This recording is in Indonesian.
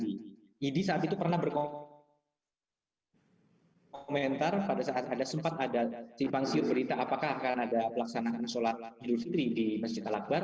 idi saat itu pernah berkomentar pada saat ada sempat ada simpang siur berita apakah akan ada pelaksanaan sholat idul fitri di masjid al akbar